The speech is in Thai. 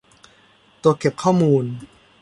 ตัวเก็บข้อมูล